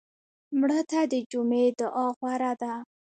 مړه ته د جمعې دعا غوره ده